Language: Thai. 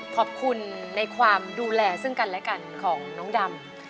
ขอบคุณในความดูแลซึ่งกันและกันของน้องดำ